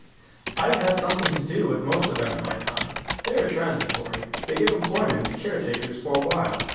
I have had something to do with most of them in my time. They are transitory. They give employment to care takers for a while.